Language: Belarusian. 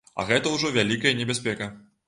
А гэта ўжо вялікая небяспека.